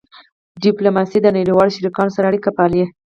ډیپلوماسي د نړیوالو شریکانو سره اړیکې پالي.